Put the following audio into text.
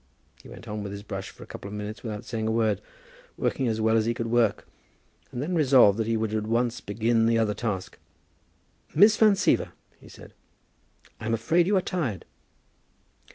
He went on with his brush for a couple of minutes without saying a word, working as well as he could work, and then resolved that he would at once begin the other task. "Miss Van Siever," he said, "I'm afraid you are tired?"